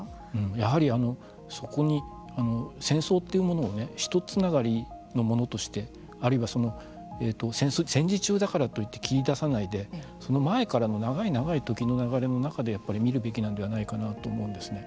やはりそこに戦争というものをひとつながりのものとしてあるいは戦時中だからといって切り出さないでその前からの長い長い時の流れの中で見るべきなんではないかなと思うんですね。